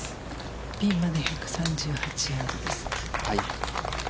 ピンまで１３８ヤードです。